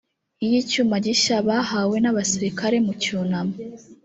y icyuma gisya bahawe n abasirikare mu cyunamo